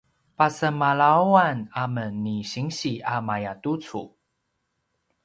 pasemalawan amen ni sinsi a mayatucu